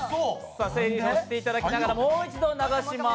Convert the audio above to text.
整理し直していただきながら、もう一度流します。